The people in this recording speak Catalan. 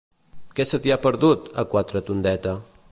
Què se t'hi ha perdut, a Quatretondeta?